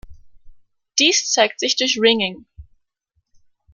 Dies zeigt sich durch Ringing.